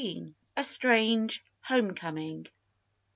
A STRANGE HOME COMING.